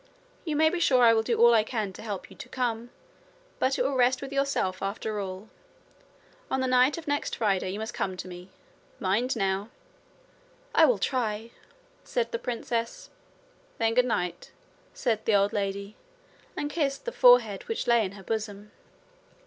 You may be sure I will do all I can to help you to come. But it will rest with yourself, after all. On the night of next Friday, you must come to me. Mind now.' 'I will try,' said the princess. 'Then good night,' said the old lady, and kissed the forehead which lay in her bosom.